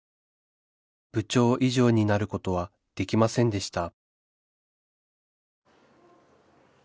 部長以上になることはできませんでした